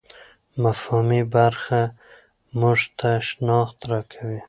مفهومي برخه موږ ته شناخت راکوي.